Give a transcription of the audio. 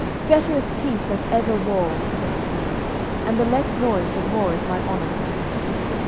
"Better is peace than ever war," said the Queen, "and the less noise the more is my honour."